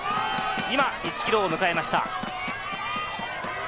今、１ｋｍを迎えました。